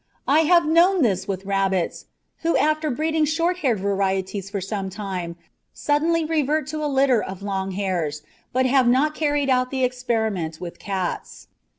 I have known this with rabbits, who, after breeding short haired varieties for some time, suddenly reverted to a litter of "long hairs"; but have not carried out the experiment with cats.